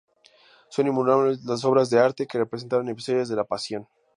Son innumerables las obras de arte que representan episodios de la Pasión.